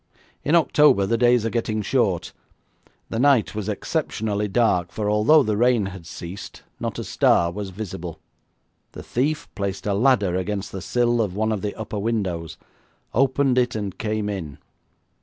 In October the days are getting short. The night was exceptionally dark, for, although the rain had ceased, not a star was visible. The thief placed a ladder against the sill of one of the upper windows, opened it, and came in.